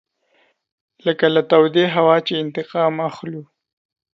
لکه له تودې هوا چې انتقام اخلو.